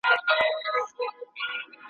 خره پرخوله لغته ورکړله محکمه ,